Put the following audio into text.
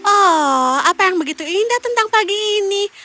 oh apa yang begitu indah tentang pagi ini